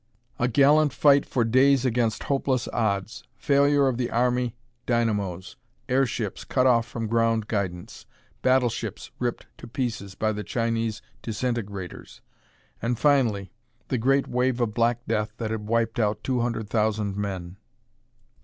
A gallant fight for days against hopeless odds; failure of the army dynamos; airships cut off from ground guidance; battleships ripped to pieces by the Chinese disintegrators; and, finally, the great wave of black death that had wiped out two hundred thousand men.